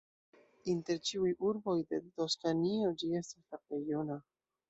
Inter ĉiuj urboj de Toskanio ĝi estas la plej juna.